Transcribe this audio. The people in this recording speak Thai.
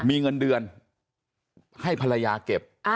มีเงินเดือนให้ภรรยาเก็บ